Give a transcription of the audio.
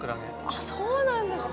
あそうなんですか。